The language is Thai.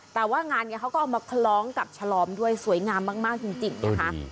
แต่ว่างานนี้เขาก็เอามาคล้องกับฉลอมด้วยสวยงามมากจริงนะคะ